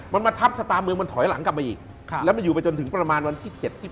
มันมาทับชะตาเมืองมันถอยหลังกลับมาอีกแล้วมันอยู่ไปจนถึงประมาณวันที่เจ็ดที่